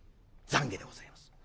懺悔でございます。